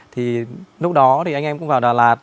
thì lúc đó thì anh em cũng vào đà lạt